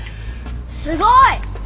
・すごい！